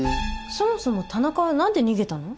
そもそも田中は何で逃げたの？